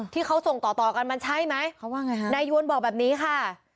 ที่เขาส่งต่อกันมันใช่ไหมนายวนบอกแบบนี้ค่ะ